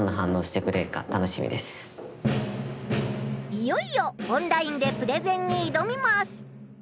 いよいよオンラインでプレゼンにいどみます！